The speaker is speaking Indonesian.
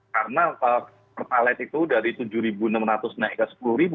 karena per palet itu dari tujuh enam ratus naik ke sepuluh